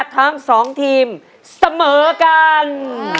ทั้งสองทีมเสมอกัน